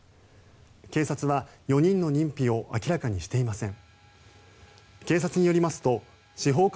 警察は４人の認否を明らかにしていません。